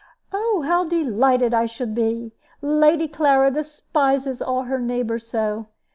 "Oh, how delighted I shall be! Lady Clara despises all her neighbors so.